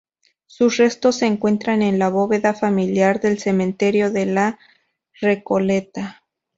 Sus restos se encuentran en la bóveda familiar del Cementerio de La Recoleta.